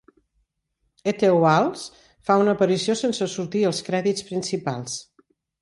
Ethel Wales hi fa una aparició sense sortir als crèdits principals.